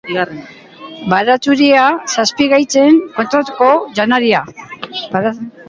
Baratxuria, zazpi gaitzen kontrako janaria.